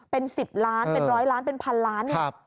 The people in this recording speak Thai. เป็น๑๐ล้านเป็น๑๐๐ล้านเป็น๑๐๐๐ล้านเนี่ย